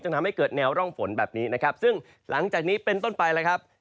ทำให้เกิดแนวร่องฝนแบบนี้นะครับซึ่งหลังจากนี้เป็นต้นไปแล้วครับ